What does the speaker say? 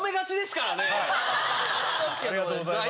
ありがとうございます。